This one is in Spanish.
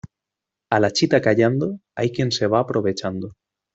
A la chita callando, hay quien se va aprovechando.